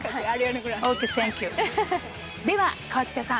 では河北さん